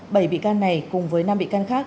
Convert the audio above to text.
bảy bị can này cùng với năm bị can khác